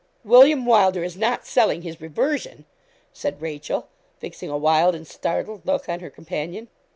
'William Wylder is not selling his reversion?' said Rachel, fixing a wild and startled look on her companion.